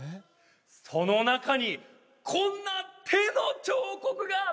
その中にこんな手の彫刻が！